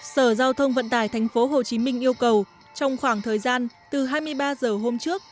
sở giao thông vận tải tp hcm yêu cầu trong khoảng thời gian từ hai mươi ba h hôm trước